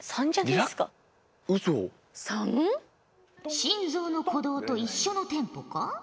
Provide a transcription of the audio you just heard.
心臓の鼓動と一緒のテンポか？